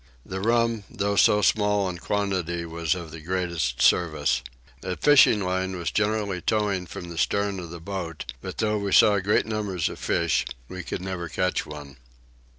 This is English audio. The rum though so small in quantity was of the greatest service. A fishing line was generally towing from the stern of the boat but though we saw great numbers of fish we could never catch one.